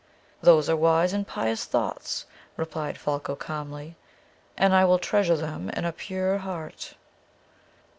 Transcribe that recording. '" "Those are wise and pious thoughts," replied Folko calmly, "and I will treasure them in a pure heart."